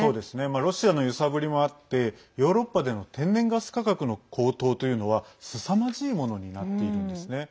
ロシアの揺さぶりもあってヨーロッパでの天然ガス価格の高騰というのはすさまじいものになっているんですね。